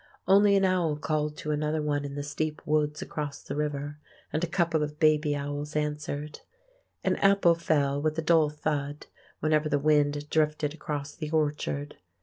Only an owl called to another one in the steep woods across the river, and a couple of baby owls answered. An apple fell with a dull thud whenever the wind drifted across the orchard.